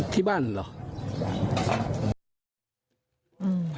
ที่บ้านเหรอ